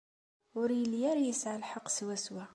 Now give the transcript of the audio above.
Ur yelli ara yesɛa lḥeqq swaswa.